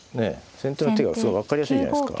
先手の手がすごく分かりやすいじゃないですか。